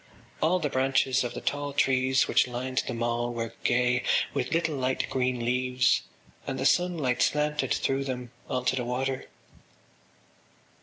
All the branches of the tall trees which lined the mall were gay with little light green leaves and the sunlight slanted through them on to the water.